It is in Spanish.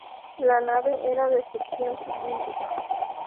La nave era de sección cilíndrica.